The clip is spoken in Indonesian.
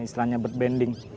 istilahnya bird banding